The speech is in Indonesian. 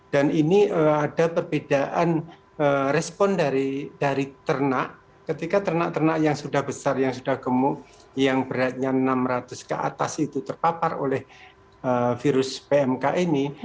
dan ini ada perbedaan respon dari ternak ketika ternak ternak yang sudah besar yang sudah gemuk yang beratnya enam ratus ke atas itu terpapar oleh virus pmk ini